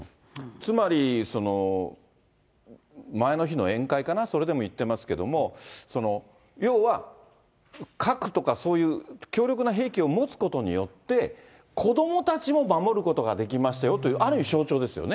つまり、前の日の宴会かな、それでも言ってますけども、要は、核とかそういう強力な兵器を持つことによって、子どもたちも守ることができますよというある意味、象徴ですよね。